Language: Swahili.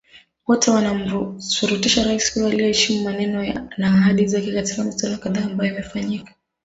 Wote wanamusurutisha Rais uyo aiyeheshimu maneno na ahadi zake katika mikutano kadhaa ambayo imefanyika